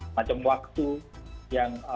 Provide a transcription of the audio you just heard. semacam waktu yang membuat kita